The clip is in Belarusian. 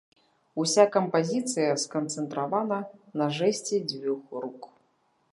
Уся кампазіцыя сканцэнтравана на жэсце дзвюх рук.